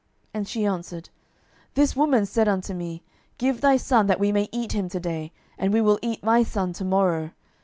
And she answered, This woman said unto me, Give thy son, that we may eat him to day, and we will eat my son to morrow.